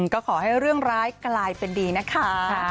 ก็ขอให้เรื่องร้ายกลายเป็นดีนะคะ